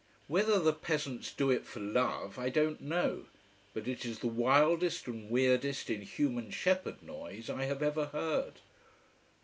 Whether the peasants do it for love, I don't know. But it is the wildest and weirdest inhuman shepherd noise I have ever heard.